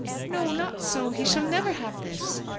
"No, not so. He shall never have this."